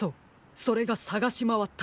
それがさがしまわったあとです。